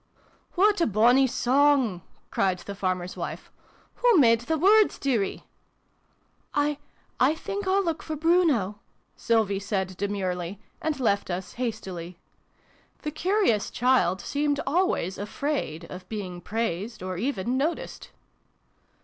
" What a bonny song !" cried the Farmer's wife. " Who made the words, dearie ?"" I I think I'll look for Bruno," Sylvie said demurely, and left us hastily. The curious child seemed always afraid of being praised, or even noticed.